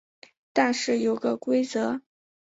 但是有个规则